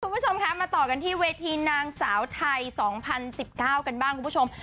คุณผู้ชมคะมาต่อกันที่เวทีนางสาวไทย๒๐๑๙กันบ้างคุณผู้ชม